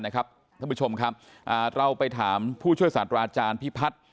ท่านผู้ชมครับเราไปถามผู้ช่วยศาสตราอาจารย์พิพัฒน์